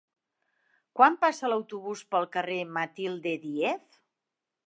Quan passa l'autobús pel carrer Matilde Díez?